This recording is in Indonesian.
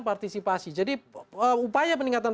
partisipasi jadi upaya peningkatan